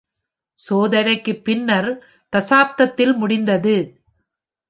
சோதனை பின்னர் தசாப்தத்தில் முடிந்தது.